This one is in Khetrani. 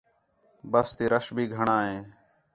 بَس تی رَش بھی گھݨاں ہے